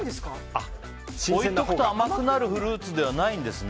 置いておくと甘くなるフルーツではないんですね。